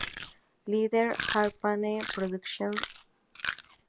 Little Airplane Productions, Inc.